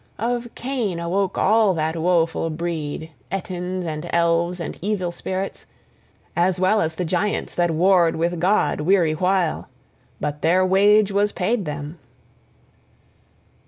Of Cain awoke all that woful breed, Etins {1g} and elves and evil spirits, as well as the giants that warred with God weary while: but their wage was paid them!